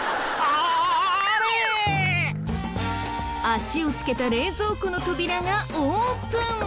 足をつけた冷蔵庫の扉がオープン！